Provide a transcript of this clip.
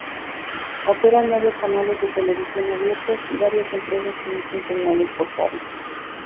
Operan nueve canales de televisión abiertos y varias empresas que emiten señales por cable.